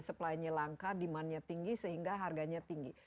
supply nya langka demand nya tinggi sehingga harganya tinggi